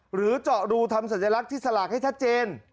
เจาะรูทำสัญลักษณ์ที่สลากให้ชัดเจน